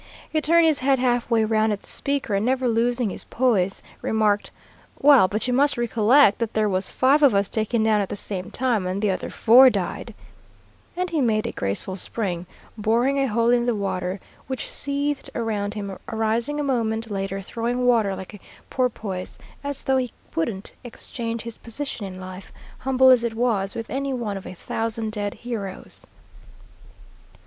He turned his head halfway round at the speaker, and never losing his poise, remarked, "Well, but you must recollect that there was five of us taken down at the same time, and the other four died," and he made a graceful spring, boring a hole in the water, which seethed around him, arising a moment later throwing water like a porpoise, as though he wouldn't exchange his position in life, humble as it was, with any one of a thousand dead heroes.